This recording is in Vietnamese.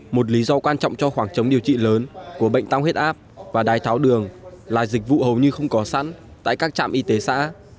một lý do quan trọng cho khoảng trống điều trị lớn của bệnh tăng huyết áp và đái tháo đường là dịch vụ hầu như không có sẵn tại các trạm y tế xã